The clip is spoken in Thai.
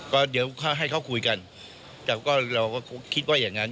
ก็เดี๋ยวให้เขาคุยกันแต่ก็เราก็คิดว่าอย่างนั้น